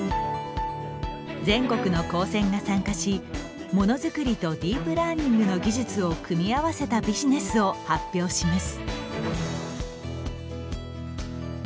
全国の高専が参加しものづくりとディープラーニングの技術を組み合わせたビジネスを発表します。